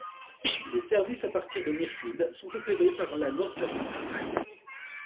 Les services à partir de Mirfield sont opérés par Northern Rail.